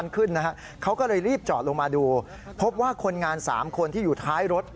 ขึ้นนะฮะเขาก็เลยรีบจอดลงมาดูพบว่าคนงาน๓คนที่อยู่ท้ายรถ